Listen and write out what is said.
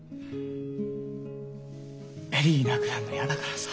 恵里いなくなるの嫌だからさ。